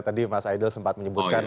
tadi mas aidel sempat menyebutkan